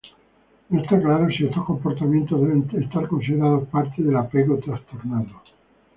No está claro si estos comportamientos deben ser considerados parte del apego trastornado.